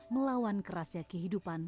melawan kerasnya kehidupan